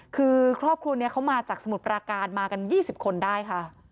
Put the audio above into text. คือครอบครัวนี้เขามาจากสมุทรปราการมากัน๒๐คนได้ค่ะ